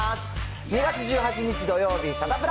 ２月１８日土曜日、サタプラ。